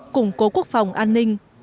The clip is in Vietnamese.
củng cố quốc phòng an ninh